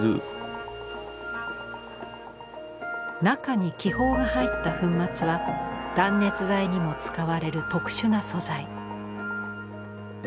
中に気泡が入った粉末は断熱材にも使われる特殊な素材。